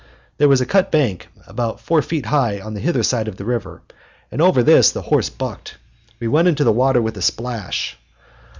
There was a cut bank about four feet high on the hither side of the river, and over this the horse bucked. We went into the water with a splash.